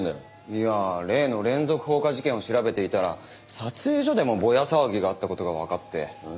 いやあ例の連続放火事件を調べていたら撮影所でもぼや騒ぎがあった事がわかって。